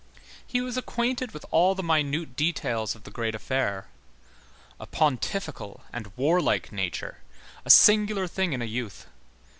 He was acquainted with all the minute details of the great affair. A pontifical and warlike nature, a singular thing in a youth.